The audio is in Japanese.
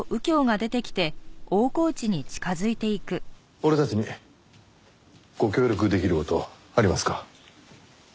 俺たちにご協力出来る事ありますか？